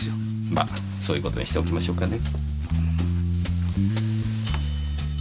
まそういう事にしておきましょうかね。